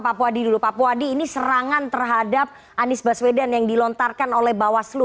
pak puwadi ini serangan terhadap anies baswedan yang dilontarkan oleh bawaslu